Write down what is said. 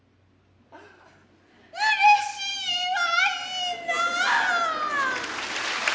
うれしいわいなァ。